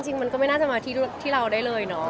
จริงมันก็ไม่น่าจะมาที่เราได้เลยเนาะ